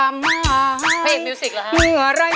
เพลงนี้อยู่ในอาราบัมชุดแจ็คเลยนะครับ